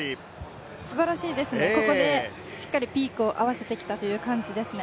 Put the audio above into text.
すばらしいですね、ここでしっかりピークを合わせてきたというですね。